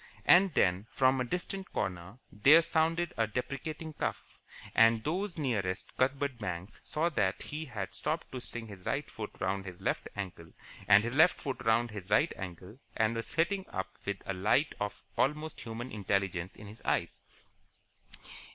And then, from a distant corner, there sounded a deprecating, cough, and those nearest Cuthbert Banks saw that he had stopped twisting his right foot round his left ankle and his left foot round his right ankle and was sitting up with a light of almost human intelligence in his eyes.